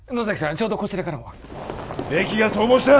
ちょうどこちらからもベキが逃亡した！